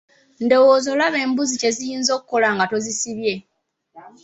Ndowooza olaba embuzi kye ziyinza okukola nga tozisibye.